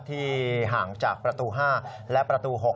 ห่างจากประตู๕และประตู๖